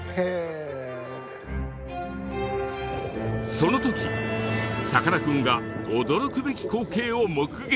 そのときさかなクンが驚くべき光景を目撃！